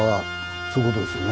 そういうことですよね。